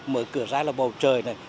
mở cửa ra là bầu trời này